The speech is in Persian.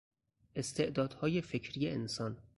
استعدادهای فکری انسان